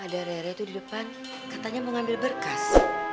ada rere tuh di depan katanya mau ngambil berkas